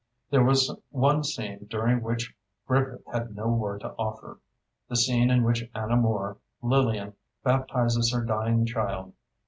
There was one scene during which Griffith had no word to offer—the scene in which Anna Moore (Lillian) baptizes her dying child.